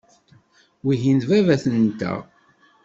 Wihin d baba-tneɣ.